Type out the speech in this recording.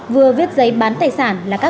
vừa viết giấy bán tài sản là các lô đất